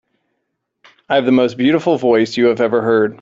I have the most beautiful voice you have ever heard.